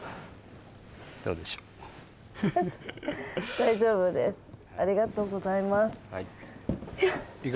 大丈夫ですか？